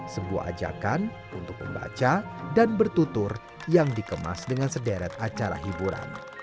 sebuah ajakan untuk membaca dan bertutur yang dikemas dengan sederet acara hiburan